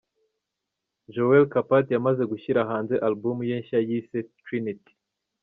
Joel Kapat yamaze gushyira hanze Album ye nshya yise 'Triniti'.